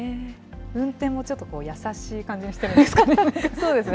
運転もちょっと優しい感じでしてるんですかね。